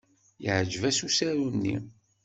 Yeɛjeb-as usaru-nni.